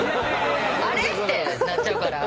あれ？ってなっちゃうから。